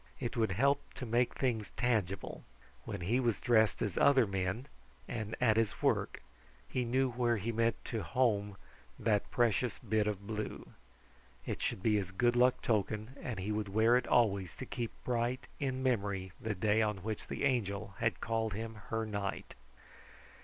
It would help to make things tangible. When he was dressed as other men, and at his work, he knew where he meant to home that precious bit of blue. It should be his good luck token, and he would wear it always to keep bright in memory the day on which the Angel had called him her knight.